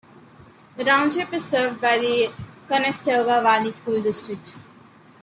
The township is served by the Conestoga Valley School District.